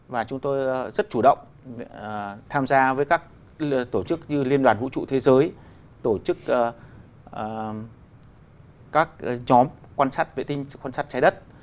và chúng tôi rất chủ động tham gia với các tổ chức như liên đoàn vũ trụ thế giới tổ chức các nhóm quan sát vệ tinh quan sát trái đất